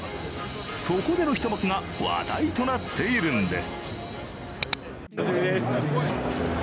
そこでの一幕が話題となっているんです。